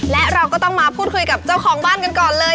และเราก็ต้องมาพูดคุยกับเจ้าของบ้านกันก่อนเลย